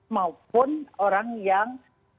maupun orang yang